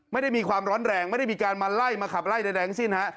ไม่ได้มีความร้อนแรงไม่ได้มีการมาไล่มาขับไล่ใดทั้งสิ้นฮะ